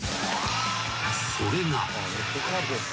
［それが］